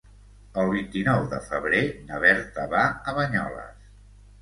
El vint-i-nou de febrer na Berta va a Banyoles.